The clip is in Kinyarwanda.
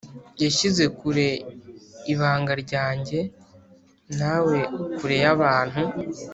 Yashyize kure ibanga ryanjye nawe kure yabantu